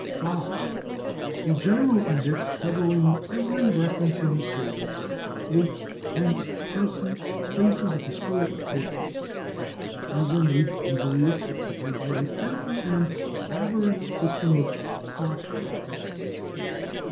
5. A general index covering every reference in the series to dates, events, persons, and places of historic importance. These are made easily accessible by a careful and elaborate system of cross references.